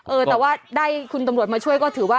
เออแต่ว่าได้คุณตำรวจมาช่วยก็ถือว่า